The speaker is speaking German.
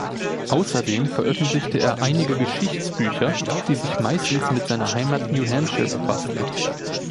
Außerdem veröffentlichte er einige Geschichtsbücher, die sich meistens mit seiner Heimat New Hampshire befassten.